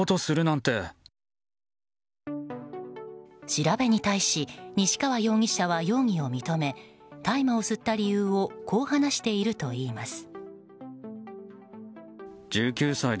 調べに対し西川容疑者は容疑を認め、大麻を吸った理由をこう話しているといいます。